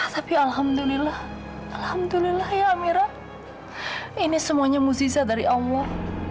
tapi alhamdulillah alhamdulillah ya amira ini semuanya muziza dari allah